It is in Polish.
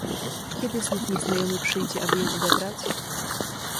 "Kiedy znów nieznajomy przyjdzie, aby ją odebrać?"